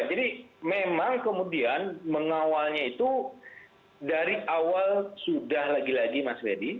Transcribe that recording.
jadi memang kemudian mengawalnya itu dari awal sudah lagi lagi mas reddy